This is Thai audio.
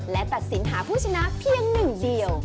และตัดสินหาผู้ชนะเพียงหนึ่งเดียว